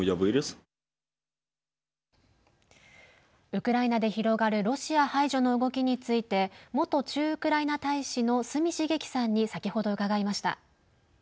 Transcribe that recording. ウクライナで広がるロシア排除の動きについて元駐ウクライナ大使の角茂樹さんに先ほど伺いました。